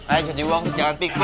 ayo jadi uang jangan piku